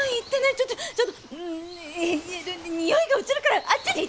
ちょっとちょっと臭いが移るからあっちに行って！